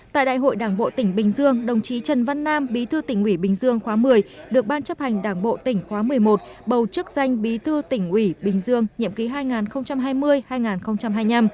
tại đại hội đảng bộ tỉnh bình dương đồng chí trần văn nam bí thư tỉnh ủy bình dương khóa một mươi được ban chấp hành đảng bộ tỉnh khóa một mươi một bầu chức danh bí thư tỉnh ủy bình dương nhiệm kỳ hai nghìn hai mươi hai nghìn hai mươi năm